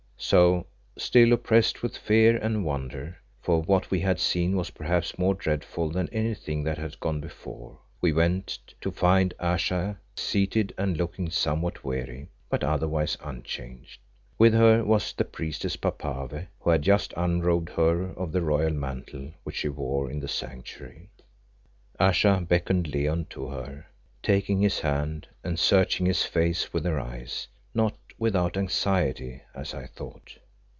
So, still oppressed with fear and wonder for what we had seen was perhaps more dreadful than anything that had gone before we went, to find Ayesha seated and looking somewhat weary, but otherwise unchanged. With her was the priestess Papave, who had just unrobed her of the royal mantle which she wore in the Sanctuary. Ayesha beckoned Leo to her, taking his hand and searching his face with her eyes, not without anxiety as I thought.